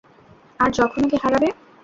আর যখন ওকে হারাবে।